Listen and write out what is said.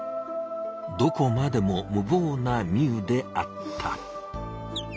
どこまでも無ぼうなミウであった。